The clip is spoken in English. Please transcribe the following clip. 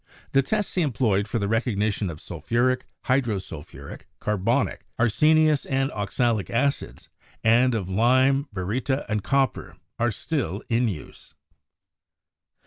The tests he employed for the recog nition of sulphuric, hydrosulphuric, carbonic, arsenious and oxalic acids, and of lime, baryta and copper, are still in use.